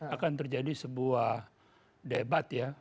akan terjadi sebuah debat ya